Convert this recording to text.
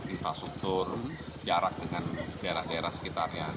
infrastruktur jarak dengan daerah daerah sekitarnya